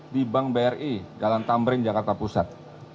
di bank bri galantambring jakarta pusat